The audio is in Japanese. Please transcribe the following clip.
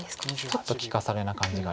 ちょっと利かされな感じがあります。